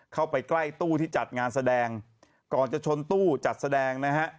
เข้าไปใกล้ตู้ที่จัดงานแสดงก่อนจะชนตู้จัดแสดงนะฮะ